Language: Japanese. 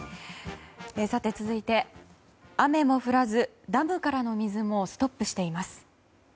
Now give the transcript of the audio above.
続いて、雨も降らずダムからの水もストップしています。